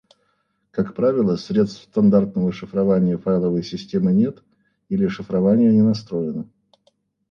Как правило, средств стандартного шифрования файловой системы нет или шифрование не настроено